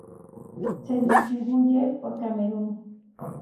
Se distribuye por Camerún.